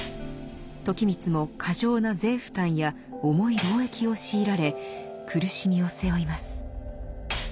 時光も過剰な税負担や重い労役を強いられ苦しみを背負います。